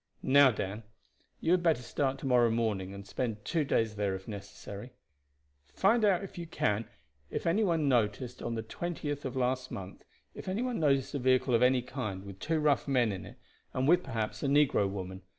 Now, Dan, you had better start to morrow morning, and spend two days there if necessary; find out if you can if on the twentieth of last month any one noticed a vehicle of any kind, with two rough men in it, and with, perhaps, a negro woman.